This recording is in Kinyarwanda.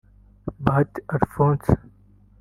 ’Bahati Alphonse’